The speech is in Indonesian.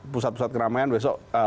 pusat pusat keramaian besok tempat ini